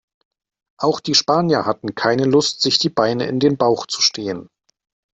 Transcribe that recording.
Auch die Spanier hatten keine Lust, sich die Beine in den Bauch zu stehen.